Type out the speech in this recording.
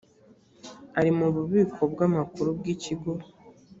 ari mu bubiko bw amakuru bw ikigo